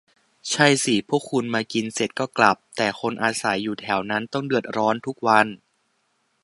ใช่สิ พวกคุณมากินเสร็จก็กลับ แต่คนอาศัยอยู่แถวนั้นต้องเดือดร้อนทุกวัน